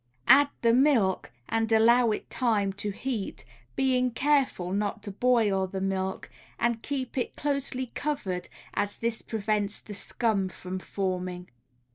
Add the milk and allow it time to heat, being careful not to boil the milk, and keep it closely covered, as this prevents the scum from forming.